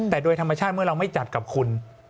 แต่โดยธรรมชาติเมื่อเราไม่จัดกับคุณ